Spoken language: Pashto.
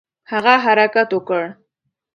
هغه حرکت وکړ.